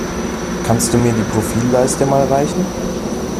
Kannst du mir die Profilleiste mal reichen?